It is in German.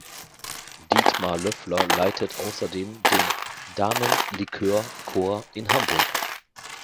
Dietmar Loeffler leitet außerdem den „Damen Likör Chor in Hamburg“.